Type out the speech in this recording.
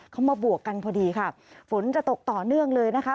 เขามาบวกกันพอดีค่ะฝนจะตกต่อเนื่องเลยนะคะ